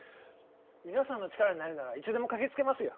皆さんの力になれるならいつでも駆けつけますよ